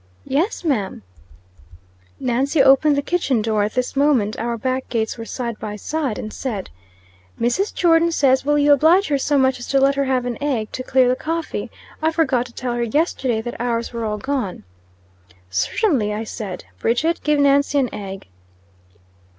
"Yes, ma'am." Nancy opened the kitchen door at this moment our back gates were side by side and said "Mrs. Jordon says, will you oblige her so much as to let her have an egg to clear the coffee? I forgot to tell her yesterday that ours were all gone." "Certainly," I said. "Bridget, give Nancy an egg."